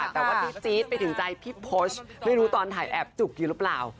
แต่ว่าที่จี๊ดไปถึงใจพี่พศไม่รู้ตอนถ่ายแอบจุกอยู่หรือเปล่า